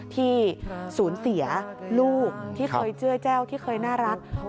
ที่สูญเสียลูกที่เคยเจื้อแจ้วที่เคยน่ารัก